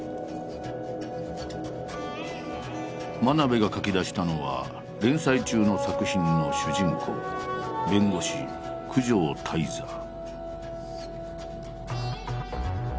真鍋が描きだしたのは連載中の作品の主人公弁護士九条間人。